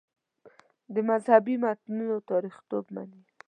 د مذهبي متنونو تاریخیتوب مني.